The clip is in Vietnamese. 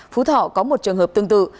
phú thọ có một trường hợp tương tự